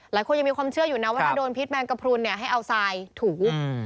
หลายคนยังมีความเชื่ออยู่นะว่าถ้าโดนพิษแมงกระพรุนเนี่ยให้เอาทรายถู